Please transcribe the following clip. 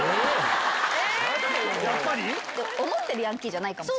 思ってるヤンキーじゃないかも。